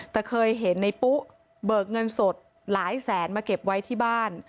แต่เคยเห็นในปุ๊เบิกเงินสดหลายแสนมาเก็บไว้ที่บ้าน